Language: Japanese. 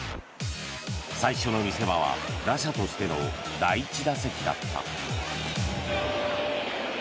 最初の見せ場は打者としての第１打席だった。